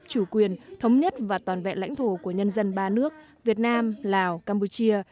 chủ quyền thống nhất và toàn vẹn lãnh thổ của nhân dân ba nước việt nam lào campuchia